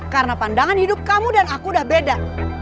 karena pandangan hidup kamu dan aku udah beda